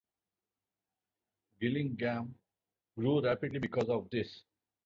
Gillingham grew rapidly because of this.